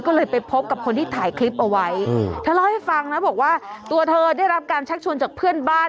ก็เลยไปพบกับคนที่ถ่ายคลิปเอาไว้เธอเล่าให้ฟังนะบอกว่าตัวเธอได้รับการชักชวนจากเพื่อนบ้าน